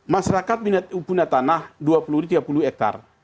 masyarakat punya tanah dua puluh tiga puluh hektare